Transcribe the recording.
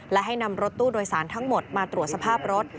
และให้นำรถตู้โดยสารทั้งหมดมาตรวจสภาพรถ